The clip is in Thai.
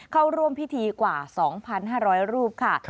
เข้าร่วมพิธีกว่า๒๕๐๐รูปค่ะ